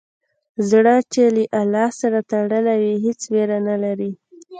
زړه چې له الله سره تړلی وي، هېڅ ویره نه لري.